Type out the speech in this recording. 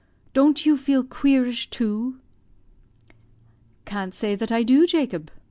Don't you feel queerish, too?" "Can't say that I do, Jacob.